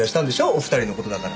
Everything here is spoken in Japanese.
お二人の事だから。